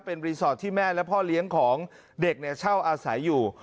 เป็นรีสอร์ทที่แม่และพ่อเลี้ยงของเด็กเช่าอาศัยอยู่